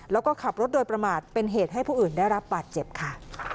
แล้วก็ขับรถโดยประมาทเป็นเหตุให้ผู้อื่นได้รับบาดเจ็บค่ะ